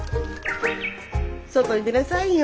外へ出なさいよ。